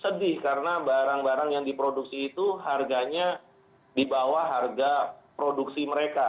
sedih karena barang barang yang diproduksi itu harganya di bawah harga produksi mereka